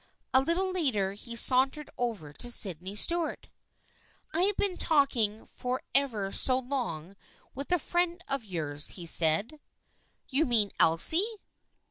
A little later he sauntered over to Sydney Stuart. " I have been talking for ever so long with a friend of yours," said he. " You mean Elsie